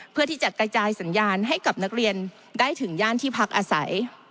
เพื่อที่จะกระจายสัญญาณให้กับนักเรียนได้ถึงย่านที่พักอาศัย